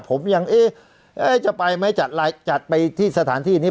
ผมยังเอ๊ะจะไปไหมจัดไปที่สถานที่นี้